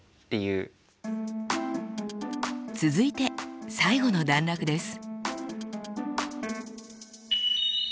続いて最後の段落です。